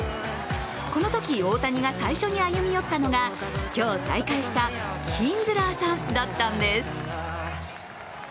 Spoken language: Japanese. このとき、大谷が最初に歩み寄ったのが今日、再会したキンズラーさんだったんです。